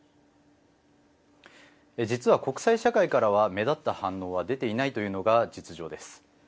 実は国際社会からは目立った反応は出ていないというのが実情です。